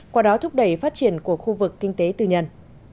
qua đó thúc đẩy phát triển của khu vực kinh tế tư nhân